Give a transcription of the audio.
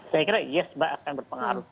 saya kira yes akan berpengaruh